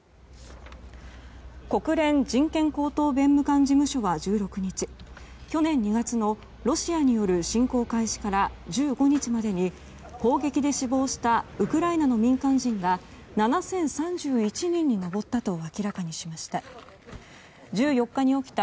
国連人権高等弁務官事務所は１６日去年２月のロシアによる侵攻開始から１５日までに攻撃で死亡したウクライナの民間人が７０３１人に上ったと明らかにしました。